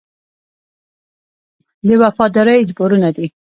د وفادارۍ اجبارونه دي.